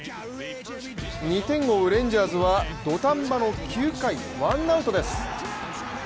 ２点を追うレンジャーズは土壇場の９回ワンアウトです。